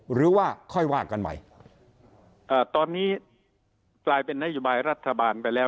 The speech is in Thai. หรือว่าค่อยว่ากันใหม่ตอนนี้กลายเป็นนโยบายรัฐบาลไปแล้ว